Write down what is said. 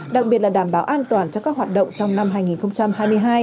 đặc biệt là đảm bảo an toàn cho các hoạt động trong năm hai nghìn hai mươi hai